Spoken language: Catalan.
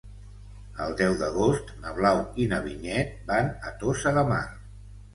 El deu d'agost na Blau i na Vinyet van a Tossa de Mar.